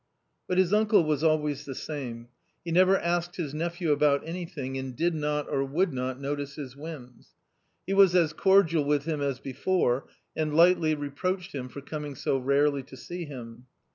But his uncle was always the same ; he never asked his nephew about anything and did not or would not notice his whims. He was as cordial with him as before, and lightly reproached him for coming so rarely to see him.